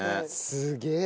すげえ！